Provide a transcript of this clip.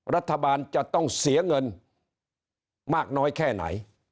รัฐบาลจะต้องเสียเงินมากน้อยแค่ไหน